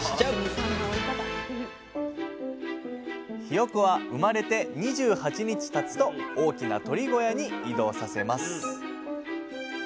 ひよこは生まれて２８日たつと大きな鶏小屋に移動させます。